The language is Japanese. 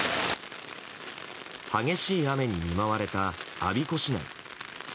激しい雨に見舞われた我孫子市内。